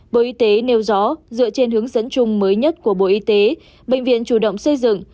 bộ y tế nêu rõ dựa trên hướng dẫn chung mới nhất của bộ y tế bệnh viện chủ động xây dựng